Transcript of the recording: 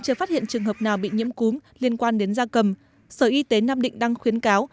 chưa phát hiện trường hợp nào bị nhiễm cúm liên quan đến da cầm sở y tế nam định đang khuyến cáo